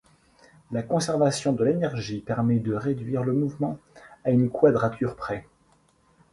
La conservation de l'énergie permet de réduire le mouvement à une quadrature près.